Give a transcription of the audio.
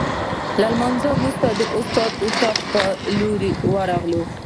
له لمانځه وروسته د استاد د اتاق په لور راغلو.